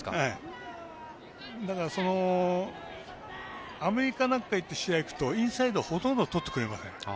だから、アメリカなんかいくとインサイド、ほとんどとってくれません。